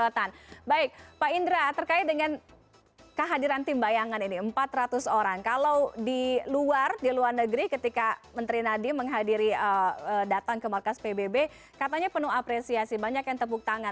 empat ratus orang kalau di luar di luar negeri ketika menteri nadi menghadiri datang ke markas pbb katanya penuh apresiasi banyak yang tepuk tangan